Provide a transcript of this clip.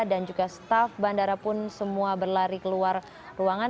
dan juga staff bandara pun semua berlari keluar ruangan